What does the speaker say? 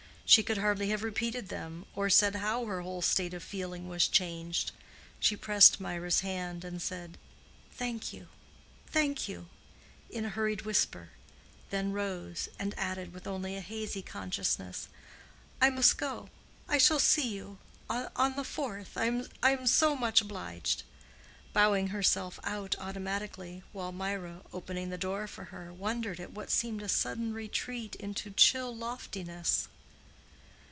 She could hardly have repeated them, or said how her whole state of feeling was changed. She pressed Mirah's hand, and said, "Thank you, thank you," in a hurried whisper, then rose, and added, with only a hazy consciousness, "I must go, I shall see you—on the fourth—I am so much obliged"—bowing herself out automatically, while Mirah, opening the door for her, wondered at what seemed a sudden retreat into chill loftiness.